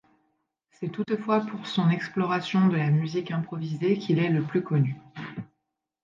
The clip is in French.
C'est toutefois pour son exploration de la musique improvisée qu'il est le plus connu.